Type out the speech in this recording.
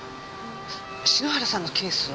篠原さんのケースは？